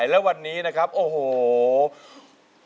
คนเรารักกันดีกว่าเกลียดกันนะครับ